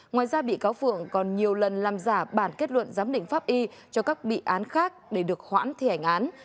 ngoài ra bị cáo phượng còn nhiều lần làm giả bản kết luận giám định pháp y cho các bị án khác để được hoãn thi hành án